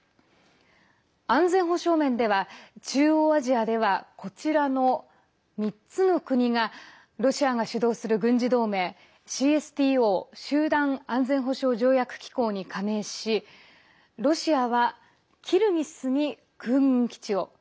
安全保障面では中央アジアではこちらの３つの国がロシアが主導する軍事同盟ＣＳＴＯ＝集団安全保障条約機構に加盟しロシアはキルギスに空軍基地を。